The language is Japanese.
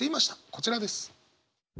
こちらです。